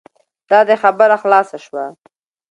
دا دی خبره خلاصه شوه.